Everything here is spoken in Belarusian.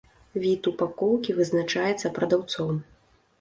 Від упакоўкі вызначаецца прадаўцом.